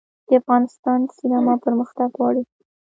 د افغانستان سینما پرمختګ غواړي